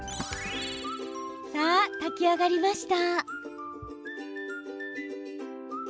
さあ、炊き上がりました。